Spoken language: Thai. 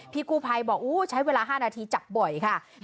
กู้ภัยบอกใช้เวลา๕นาทีจับบ่อยค่ะ